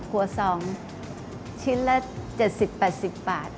หัวซองชิ้นละ๗๐๘๐บาท